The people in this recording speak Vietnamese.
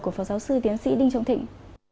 của phó giáo sư tiến sĩ đinh trọng thịnh